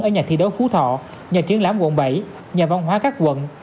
ở nhà thi đấu phú thọ nhà triển lãm quận bảy nhà văn hóa các quận